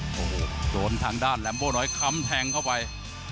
โอ้โหโดนทางด้านแลมโบน้อยค้ำแทงเข้าไป